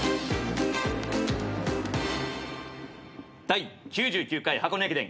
第９９回箱根駅伝